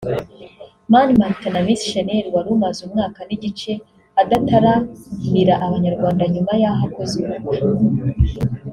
Mani Martin na Miss Shanel wari umaze umwaka n’igice adataramira abanyarwanda nyuma y’aho akoze ubukwe